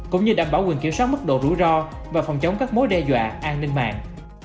cũng như đảm bảo quyền kiểm soát mức độ rủi ro và phòng chống các mối đe dọa an ninh mạng